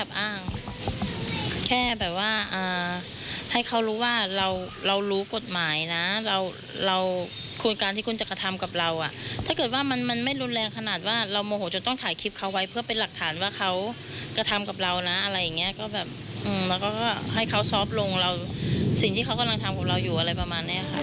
ทั้งนี้เขากำลังทำกับเราอยู่อะไรประมาณนี้ค่ะ